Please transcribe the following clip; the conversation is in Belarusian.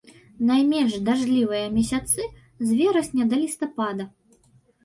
Найменш дажджлівыя месяцы з верасня да лістапада.